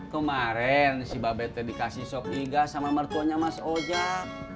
kemaren si mbak be t dikasih sopiga sama mertuanya mas ojak